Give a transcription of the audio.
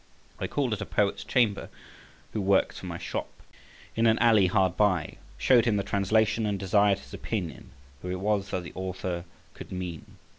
I called at a poet's chamber (who works for my shop) in an alley hard by, showed him the translation, and desired his opinion who it was that the Author could mean.